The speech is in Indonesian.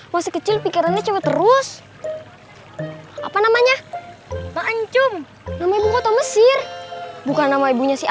masih kecil pikirannya cuma terus apa namanya ⁇ ancum nama ibu kota mesir bukan nama ibunya sih